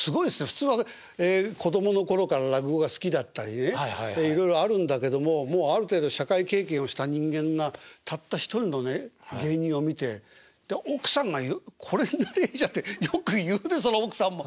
普通は子供の頃から落語が好きだったりねいろいろあるんだけどももうある程度社会経験をした人間がたった一人のね芸人を見て奥さんが「これになりゃいいじゃん」ってよく言うねその奥さんも。